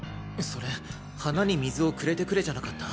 それ「花に水をくれてくれ」じゃなかった？